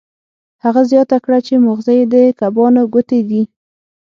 هغه زیاته کړه چې ماغزه یې د کبانو ګوتې دي